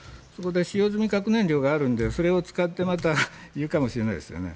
そこで使用済み核燃料があるのでそれを使ってまた言うかもしれないです。